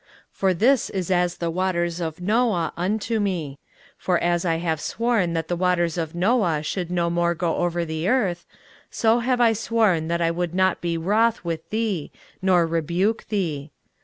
23:054:009 For this is as the waters of Noah unto me: for as I have sworn that the waters of Noah should no more go over the earth; so have I sworn that I would not be wroth with thee, nor rebuke thee.